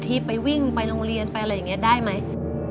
ที่ไปวิ่งไปโรงเรียนไปอะไรอย่างนี้ได้ไหม